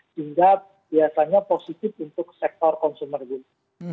sehingga biasanya positif untuk sektor konsumer gitu